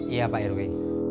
iya pak irwi